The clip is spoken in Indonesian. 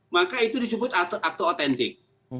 maka itu disebut akto autentik